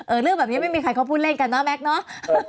เออเรื่องประนี้ไม่มีใครเขาพูดเล่นกันเนอะแมคเนอะ